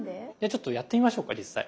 ちょっとやってみましょうか実際。